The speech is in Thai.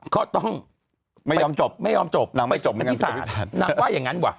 เพราะต้องไม่ยอมจบไม่ยอมจบนางไม่จบนางพิสาทนางว่าอย่างนั้นวะ